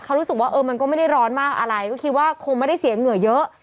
เขารู้สึกว่าเออมันก็ไม่ได้ร้อนมากอะไรก็คิดว่าคงไม่ได้เสียเหงื่อเยอะ